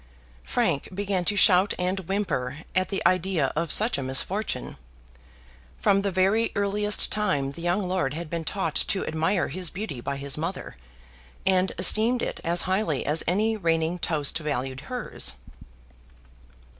Frank began to shout and whimper at the idea of such a misfortune. From the very earliest time the young lord had been taught to admire his beauty by his mother: and esteemed it as highly as any reigning toast valued hers.